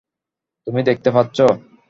তুমি দেখতে পাচ্ছ?